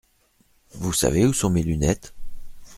Vous savez où sont mes lunettes ?